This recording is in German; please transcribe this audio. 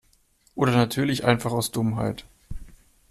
Oder natürlich einfach aus Dummheit.